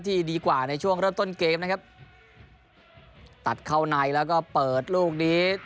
ที่ดีกว่าในช่วงเริ่มต้นเกมนะครับตัดเข้าในแล้วก็เปิดลูกนี้